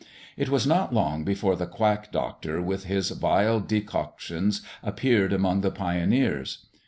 It was not long before the quack doctor with his vile decoctions appeared among the pioneers.